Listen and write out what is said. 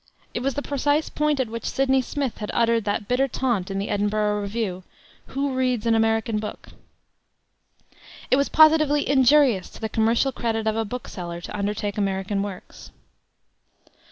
It was the precise point at which Sidney Smith had uttered that bitter taunt in the Edinburgh Review, 'Who reads an American book?' ... It was positively injurious to the commercial credit of a bookseller to undertake American works."